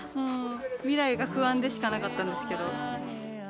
未来が不安でしかなかったんですけど。